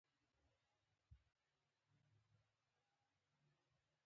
د هند ای پي ایل لیګ ډیرې پیسې لري.